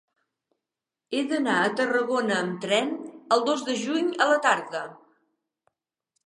He d'anar a Tarragona amb tren el dos de juny a la tarda.